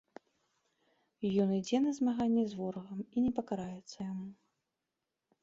Ён ідзе на змаганне з ворагам і не пакараецца яму.